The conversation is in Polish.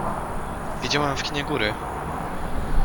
Widziałam w kinie góry.